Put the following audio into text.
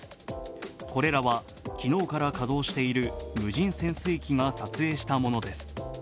これらは昨日から稼働している無人潜水機が撮影したものです。